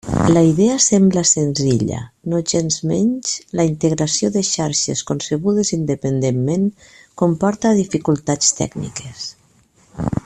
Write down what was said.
La idea sembla senzilla, nogensmenys, la integració de xarxes, concebudes independentment, comporta dificultats tècniques.